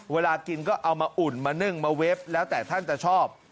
เวลากินก็เอามาอุ่นมานึ่งมาเว็บแล้วแต่ท่านจะชอบ